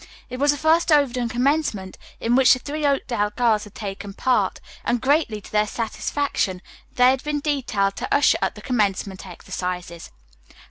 It was the first Overton commencement in which the three Oakdale girls had taken part, and greatly to their satisfaction they had been detailed to usher at the commencement exercises.